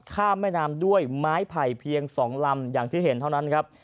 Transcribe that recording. ข้ามแม่น้ำด้วยไม้ไผ่เพียง๒ลำอย่างที่เห็นเท่านั้นครับ